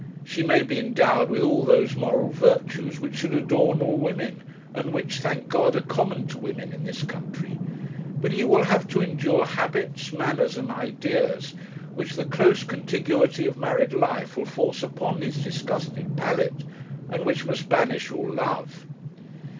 She may be endowed with all those moral virtues which should adorn all women, and which, thank God, are common to women in this country; but he will have to endure habits, manners, and ideas, which the close contiguity of married life will force upon his disgusted palate, and which must banish all love.